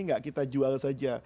nggak kita jual saja